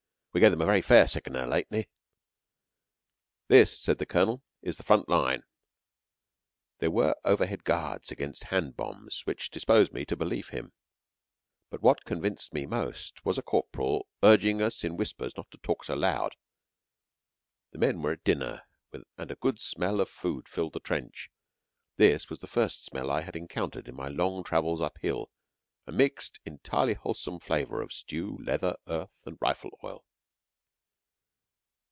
"We gave them a very fair sickener lately." "This," said the Colonel, "is the front line." There were overhead guards against hand bombs which disposed me to believe him, but what convinced me most was a corporal urging us in whispers not to talk so loud. The men were at dinner, and a good smell of food filled the trench. This was the first smell I had encountered in my long travels uphill a mixed, entirely wholesome flavour of stew, leather, earth, and rifle oil.